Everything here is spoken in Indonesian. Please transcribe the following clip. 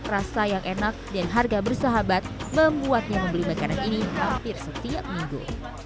rasa yang enak dan harga bersahabat membuatnya membeli makanan ini hampir setiap minggu